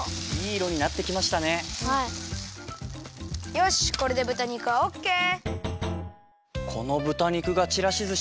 よしこれでぶた肉はオッケー。